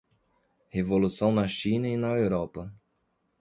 Revolução na China e na Europa